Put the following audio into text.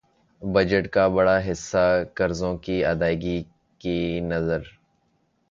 budget کا بڑا حصہ قرضوں کی ادائیگی کی نذر